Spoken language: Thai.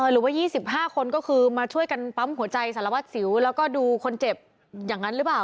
หรือว่า๒๕คนก็คือมาช่วยกันปั๊มหัวใจสารวัตรสิวแล้วก็ดูคนเจ็บอย่างนั้นหรือเปล่า